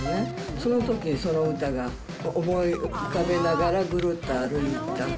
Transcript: そのときにその歌が、思い浮かべながら、ぐるっと歩いた。